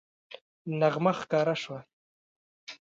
نغمه ښکاره شوه